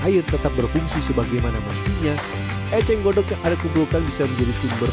air tetap berfungsi sebagaimana mestinya eceng gondok yang ada kumpulkan bisa menjadi sumber